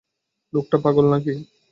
লোকটা পাগল নাকি?